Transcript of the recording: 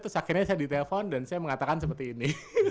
terus akhirnya saya ditelepon dan saya mengatakan seperti ini